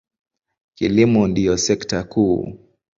Kilimo ndiyo sekta kuu.